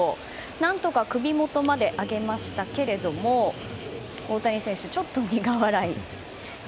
何とか首元まで上げましたが大谷選手、ちょっと苦笑い。